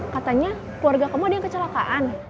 katanya keluarga kamu ada yang kecelakaan